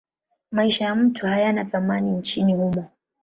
Maisha ya mtu hayana thamani nchini humo.